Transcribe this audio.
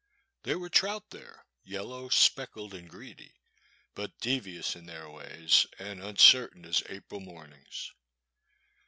There were trout there, yellow, speckled, and greedy, but devious in their ways, and uncertain as April mornings.